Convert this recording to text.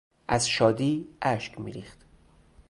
از شادی اشک میریختند.